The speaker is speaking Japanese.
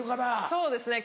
そうですね